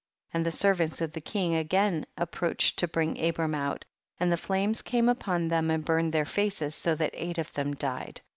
31. And the servants of the king again approached to bring Abram out, and the flames came upon them and burned their faces so that eight of them died.